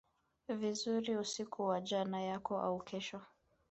vizuri usiku wa jana yako au kesho